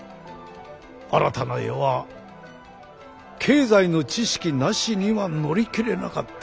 新たな世は経済の知識なしには乗り切れなかった。